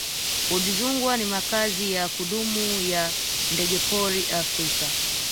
udzungwa ni makazi ya kudumu ya ndegepori africa